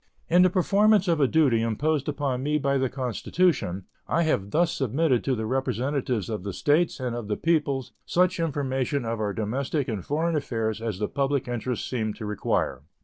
In the performance of a duty imposed upon me by the Constitution I have thus submitted to the representatives of the States and of the people such information of our domestic and foreign affairs as the public interests seem to require.